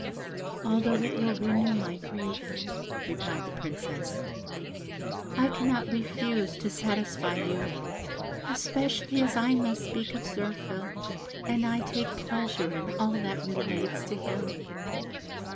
"Although it will renew my grief," replied the Princess, "I cannot refuse to satisfy you, especially as I must speak of Zirphil, and I take pleasure in all that relates to him."